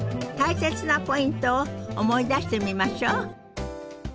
大切なポイントを思い出してみましょう。